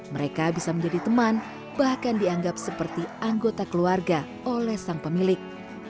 mereka bisa menjadi teman bahkan dianggap seperti anggota keluarga oleh sang pemilik